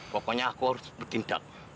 pokoknya aku harus bertindak